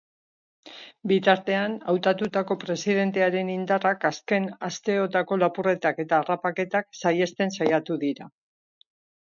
Bitartean, hautatutako presidentearen indarrak azken asteotako lapurretak eta harrapaketak saihesten saiatu dira.